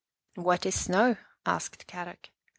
" What is snow? " asked Kadok.